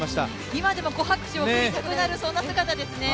今でも拍手を送りたくなるそんな走りでしたね。